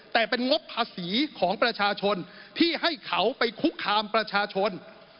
แต่เป็นงบภาษีของประชาชนที่ให้เขาไปคุกคามประชาชน